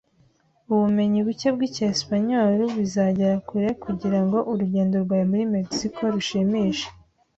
Ubumenyi buke bw'Icyesipanyoli bizagera kure kugira ngo urugendo rwawe muri Mexico rushimishe